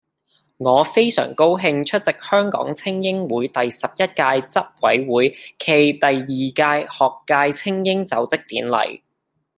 我非常高興出席香港菁英會第十一屆執委會暨第二屆學界菁英就職典禮